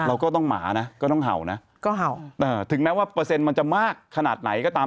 เราต้องห่าวนะถึงแม้ว่าเปอร์เซ็นต์มันจะมากขนาดไหนก็ตาม